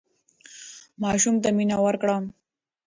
ماشوم ته مینه ورکړه.